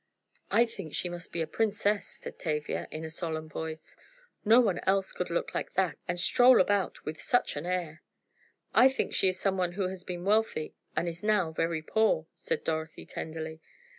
"I think she must be a princess," said Tavia, in a solemn voice, "no one else could look like that and stroll about with such an air!" "I think she is someone who has been wealthy and is now very poor," said Dorothy, tenderly.